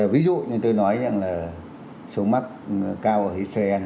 ví dụ như tôi nói rằng là số mắc cao ở hí xê en